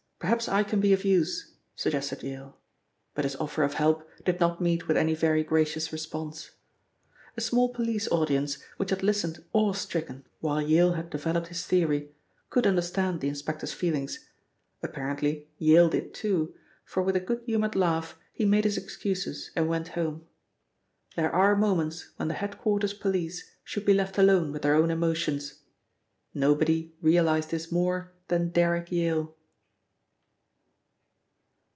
Perhaps I can be of use," suggested Yale, but his offer of help did not meet with any very gracious response. A small police audience, which had listened awe stricken while Yale had developed his theory, could understand the Inspector's feelings. Apparently Yale did, too, for with a good humoured laugh he made his excuses and went home. There are moments when the head quarters police should be left alone with their own emotions. Nobody realised this more than Derrick Yale.